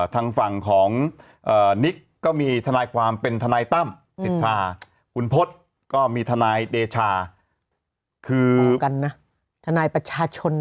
อย่างงี้ผู้ว่าจ้าง